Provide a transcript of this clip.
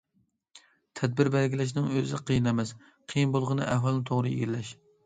تەدبىر بەلگىلەشنىڭ ئۆزى قىيىن ئەمەس، قىيىن بولغىنى ئەھۋالنى توغرا ئىگىلەش.